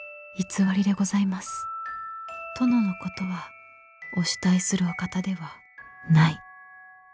「殿のことはお慕いするお方ではない」。